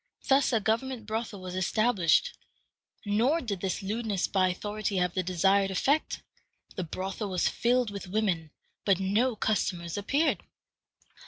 Thus a government brothel was established. Nor did this lewdness by authority have the desired effect. The brothel was filled with women, but no customers appeared.